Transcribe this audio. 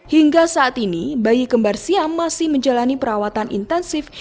hingga saat ini bayi kembarsiam masih menjalani perawatan intensif